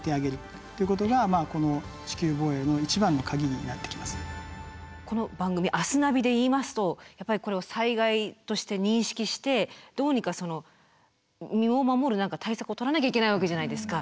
とにかくこの番組「明日ナビ」で言いますとやっぱりこれを災害として認識してどうにか身を守る対策をとらなきゃいけないわけじゃないですか。